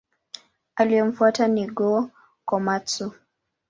Aliyemfuata ni Go-Komatsu.